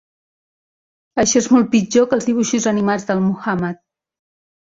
Això és molt pitjor que els dibuixos animats de Muhammad.